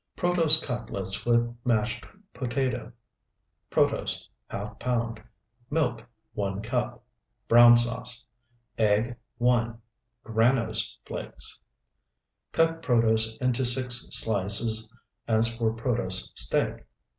PROTOSE CUTLETS WITH MASHED POTATO Protose, ½ pound. Milk, 1 cup. Brown sauce. Egg, 1. Granose flakes. Cut protose into six slices as for protose steak.